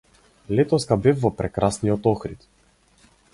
Летоска бев во прекрасниот Охрид.